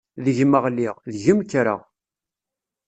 Deg-m ɣliɣ, deg-m kkreɣ.